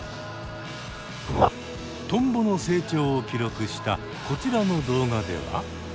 トンボの成長を記録したこちらの動画では。